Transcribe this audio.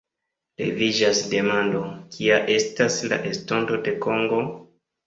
Leviĝas demando: kia estas la estonto de Kongo?